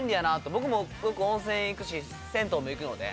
僕もよく温泉行くし銭湯も行くので。